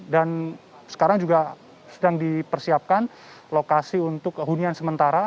dan sekarang juga sedang dipersiapkan lokasi untuk hunian sementara